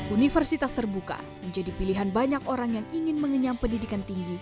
universitas terbuka menjadi pilihan banyak orang yang ingin mengenyam pendidikan tinggi